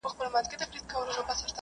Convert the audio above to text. بیا مُلا سو بیا هغه د سیند څپې سوې